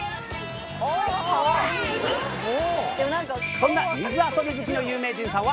そんな水遊び好きの有名人さんは。